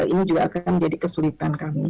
ini juga akan menjadi kesulitan kami